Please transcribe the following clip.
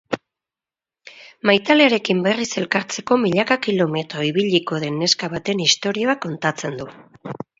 Maitalearekin berriz elkartzeko milaka kilometro ibiliko den neska baten istorioa kontatzen du.